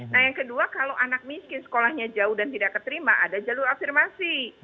nah yang kedua kalau anak miskin sekolahnya jauh dan tidak keterima ada jalur afirmasi